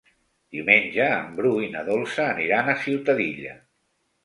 Diumenge en Bru i na Dolça aniran a Ciutadilla.